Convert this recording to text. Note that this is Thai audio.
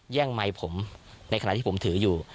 ไมค์ผมในขณะที่ผมถืออยู่